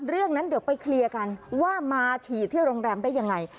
เรื่องนั้นเดี๋ยวไปเคลียร์กันว่ามาฉีดที่โรงแรมได้ยังไง